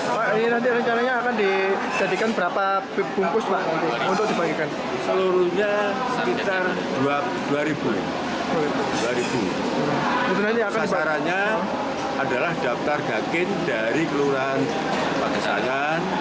sapi raksasa di masjid nasional al akbar surabaya